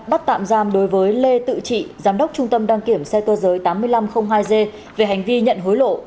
bắt tạm giam đối với lê tự trị giám đốc trung tâm đăng kiểm xe cơ giới tám nghìn năm trăm linh hai g về hành vi nhận hối lộ